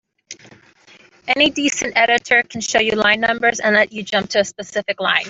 Any decent editor can show you line numbers and let you jump to a specific line.